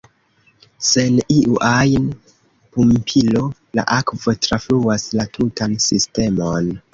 Sen iu ajn pumpilo la akvo trafluas la tutan sistemon.